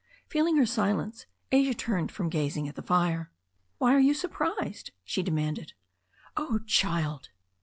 Feeling her silence, Asia turned from gazing at the fire. "Why are you surprised?" she demanded. "Oh, child